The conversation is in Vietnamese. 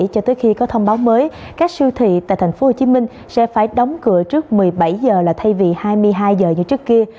cho tới khi có thông báo mới các siêu thị tại tp hcm sẽ phải đóng cửa trước một mươi bảy h là thay vì hai mươi hai giờ như trước kia